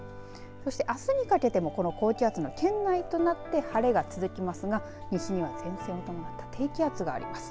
そして、あすにかけても高気圧が圏外となって晴れが続きますが西には前線を伴った低気圧があります。